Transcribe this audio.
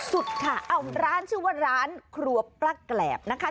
สุดค่ะเอ้าร้านชื่อว่าร้านครัวป้าแกรบนะคะ